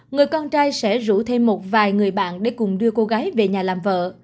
người con trai sẽ rủ thêm một vài người bạn để cùng đưa cô gái về nhà làm vợ